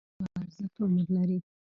د خبرو ارزښت عمر لري